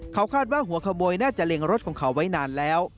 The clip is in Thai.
เขาคาดว่าหัวขโมยน่าจะเล็งรถของเขาไว้นานแล้ว